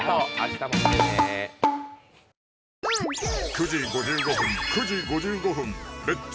９時５５分９時５５分「レッツ！